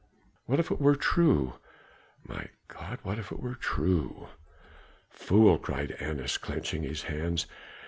What if it were true! My God, if it were true!" "Fool!" cried Annas, clenching his hands.